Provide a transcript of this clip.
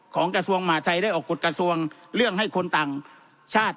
กระทรวงมหาทัยได้ออกกฎกระทรวงเรื่องให้คนต่างชาติ